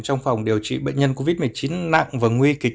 trong phòng điều trị bệnh nhân covid một mươi chín nặng và nguy kịch